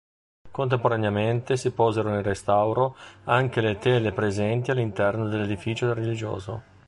Contemporaneamente si posero in restauro anche le tele presenti all'interno dell'edificio religioso.